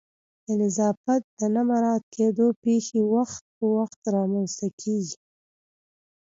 د نظافت د نه مراعت کېدو پیښې وخت په وخت رامنځته کیږي